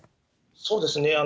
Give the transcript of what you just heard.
そうですね。